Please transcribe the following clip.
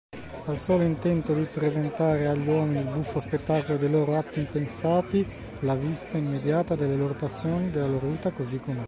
Al solo intento di presentare agli uomini il buffo spettacolo dei loro atti impensati, la vista immediata delle loro passioni, della loro vita così com'è.